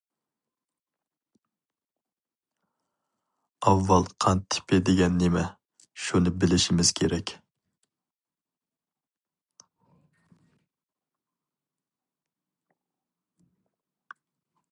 ئاۋۋال قان تىپى دېگەن نېمە؟ شۇنى بىلىشىمىز كېرەك.